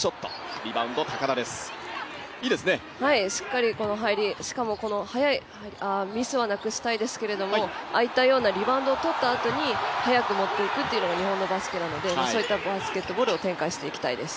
しっかりこの入りミスはなくしたいですけどもああいったようなリバウンドをとったあとに早く持って行くというのが日本のバスケなので、そういったバスケを展開していきたいです。